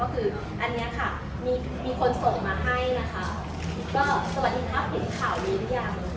คือแชทที่คนอื่นส่งมาให้เราน่ะที่หลุดมาวันนี้บ้าง